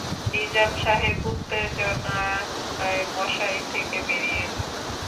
নিজাম সাহেব উত্তেজনায় মশারি থেকে বেরিয়ে এলেন।